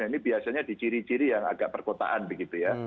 ini biasanya di ciri ciri yang agak perkotaan begitu ya